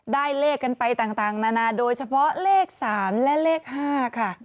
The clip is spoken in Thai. เลขกันไปต่างนานาโดยเฉพาะเลข๓และเลข๕ค่ะ